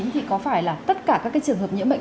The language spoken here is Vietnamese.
thì có phải là tất cả các trường hợp nhiễm bệnh